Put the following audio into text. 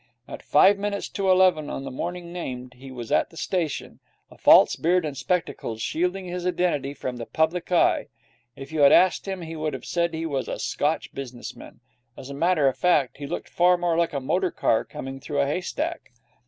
At five minutes to eleven on the morning named he was at the station, a false beard and spectacles shielding his identity from the public eye. If you had asked him he would have said that he was a Scotch business man. As a matter of fact, he looked far more like a motor car coming through a haystack.